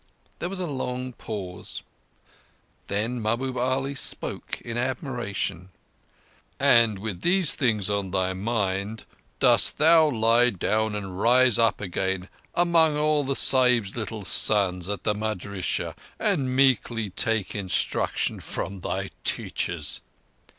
There was a long pause: then Mahbub Ali spoke in admiration: "And with these things on thy mind, dost thou lie down and rise again among all the Sahibs' little sons at the madrissah and meekly take instruction from thy teachers?"